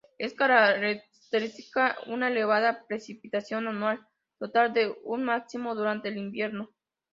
Es característica una elevada precipitación anual total con un máximo durante el invierno.